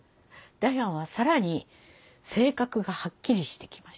ダヤンは更に性格がはっきりしてきました。